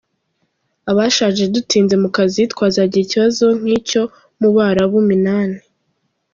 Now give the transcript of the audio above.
Abashaje dutinze mu kazi twazagira ikibazo nk’icyo mu Barabu Minani